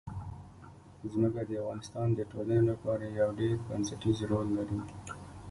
ځمکه د افغانستان د ټولنې لپاره یو ډېر بنسټيز رول لري.